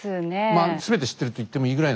まあ全て知ってると言ってもいいぐらい